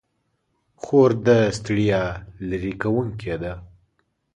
خور د ستړیا لیرې کوونکې ده.